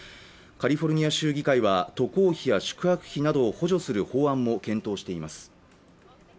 カリフォルニア州議会は渡航費や宿泊費などを補助する法案も検討しています